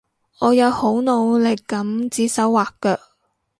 我有好努力噉指手劃腳